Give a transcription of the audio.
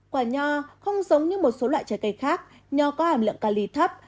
quả nho không giống như một số loại trái cây khác nho có hàm lượng cali thấp